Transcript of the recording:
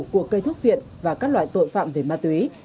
của cây thuốc viện và các loại tội phạm về ma túy